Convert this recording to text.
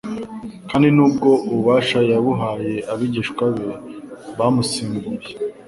Kandi n'ubwo ububasha yabuhaye abigishwa be bamusimbuye,